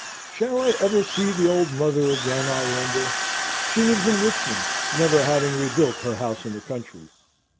Shall I ever see the old mother again, I wonder? She lives in Richmond, never having rebuilt her house in the country.